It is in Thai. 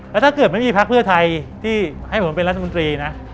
แล้วถ้าเกิดไม่มีพักเพื่อไทยที่ให้ผมเป็นรัฐมนตรีนะ